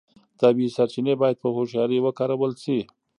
طبیعي سرچینې باید په هوښیارۍ وکارول شي.